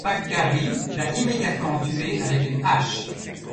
McGary l'a immédiatement tué avec une hache.